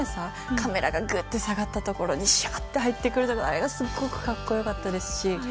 カメラがぐって下がったところにシャー！って入ってきてあれがすごく格好良かったですし。